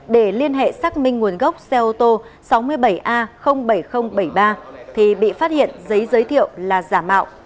để liên hệ xác minh nguồn gốc xe ô tô sáu mươi bảy a bảy nghìn bảy mươi ba thì bị phát hiện giấy giới thiệu là giả mạo